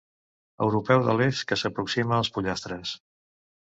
Europeu de l'est que s'aproxima als pollastres.